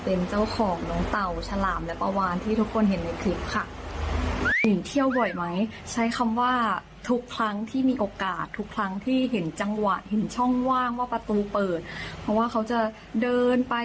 เป็นเจ้าของน้องเต่าฉลามและปลาวานที่ทุกคนเห็นในคลิปค่ะ